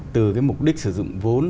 từ cái mục đích sử dụng vốn